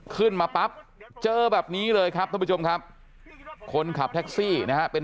ขึ้นมาปั๊บเจอแบบนี้เลยครับท่านผู้ชมครับคนขับแท็กซี่นะฮะเป็น